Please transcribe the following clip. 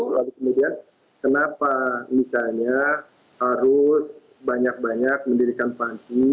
lalu kemudian kenapa misalnya harus banyak banyak mendirikan panti